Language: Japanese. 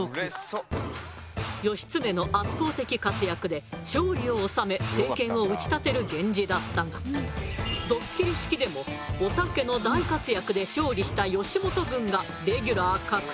義経の圧倒的活躍で勝利を収め政権を打ち立てる源氏だったがドッキリ式でもおたけの大活躍で勝利した吉本軍がレギュラー獲得。